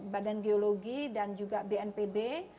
badan geologi dan juga bnpb